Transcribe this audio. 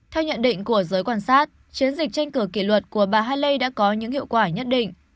theo nhận định của giới quan sát chiến dịch tranh cử kỷ luật của bà haley đã có những hiệu quả nhất định